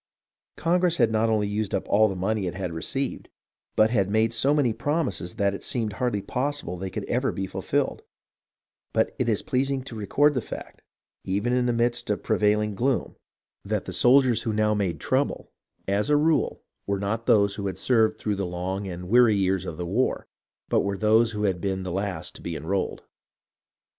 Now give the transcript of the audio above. Congress had not only used up all the money it had received, but had made so many promises that it seemed hardly possible they ever could be fulfilled ; but it is pleasing to record the fact, even in the midst of the prevailing gloom, that the soldiers who now made 402 HISTORY OF THE AMERICAN REVOLUTION trouble, as a rule were not those who had served through the long and weary years of the war, but were those who had been the last to be enrolled.